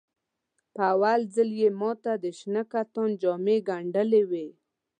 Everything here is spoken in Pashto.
په اول ځل یې ماته د شنه کتان جامې ګنډلې وې.